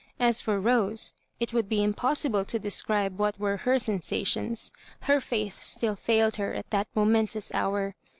As for Rose, it would be impossible to describe what were her sensations. Her faith still failed her at that momentous hour.